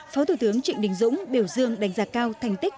phó thủ tướng trịnh đình dũng biểu dương đánh giá cao thành tích